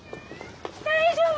大丈夫？